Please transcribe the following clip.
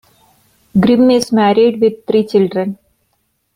Grimm is married, with three children.